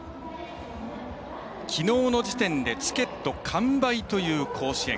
きのうの時点でチケット完売という甲子園。